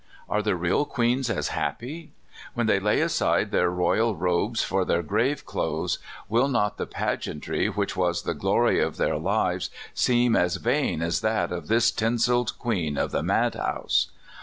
Are the real queens as happy? When they lay aside their royal robes for their graveclothes, will not the pageantry which was the glory of their lives seem as vain as that of this tinseled queen of the madhouse?